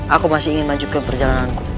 aku masih ingin maju ke perjalanan